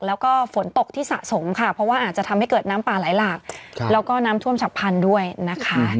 แล้วก็ฝนตกที่สะสมค่ะเพราะว่าอาจจะทำให้เกิดน้ำป่าไหลหลากแล้วก็น้ำท่วมฉับพันธุ์ด้วยนะคะ